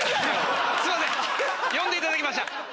すいません呼んでいただきました。